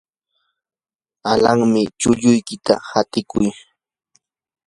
alanmi, chulluykita qatiykuy.